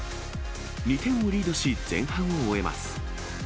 ２点をリードし、前半を終えます。